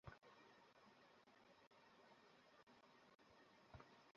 সালাম ম্যাডাম, আসেন।